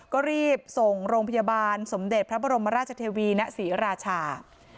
ก็รีบส่งโรงพยาบาลสมเด็จพระบรมราชเทวีณศรีราชา